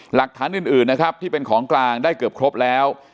หลักฐานอื่นนะครับที่เป็นของกลางได้เกือบครบแล้ว